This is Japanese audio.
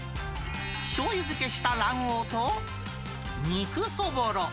しょうゆ漬けした卵黄と、肉そぼろ。